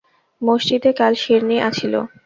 মসজিদে কাল শিরনি আছিলো।